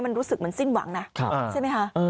มันรู้สึกมันสิ้นหวังนะใช่ไหมคะ